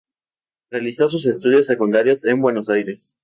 Realizó sus estudios secundarios en Buenos Aires.